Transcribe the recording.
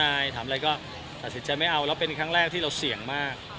ใช่ถามอะไรก็ตัดสินใจไม่เอาแล้วเป็นครั้งแรกที่เราเสี่ยงมาก